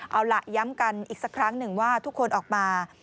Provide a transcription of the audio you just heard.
เอาล่ะย้ำกันอีกสักครั้งหนึ่งว่าทุกคนออกมา